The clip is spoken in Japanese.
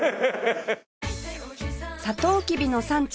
サトウキビの産地